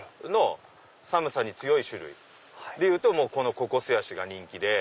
寒さに強い種類でいうとこのココスヤシが人気で。